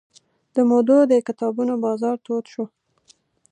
د مودودي کتابونو بازار تود شو